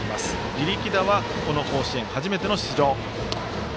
入耒田は、この甲子園初めての出場。